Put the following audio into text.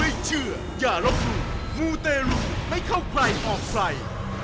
ไม่เชื่ออย่ารบหนูมูเตรุไม่เข้าไกลออกใส่